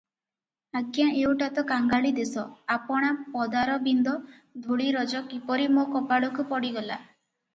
ଅଜ୍ଞା ଏଉଟା ତ କାଙ୍ଗାଳି ଦେଶ, ଆପଣା ପଦାରବିନ୍ଦ ଧୂଳିରଜ କିପରି ମୋ କପାଳକୁ ପଡ଼ିଗଲା ।